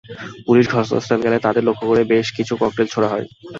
Police ঘটনাস্থলে গেলে তাদের লক্ষ্য করে বেশ কিছু ককটেল ছোড়া হয়।